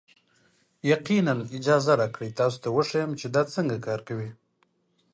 یقینا، اجازه راکړئ تاسو ته وښیم چې دا څنګه کار کوي.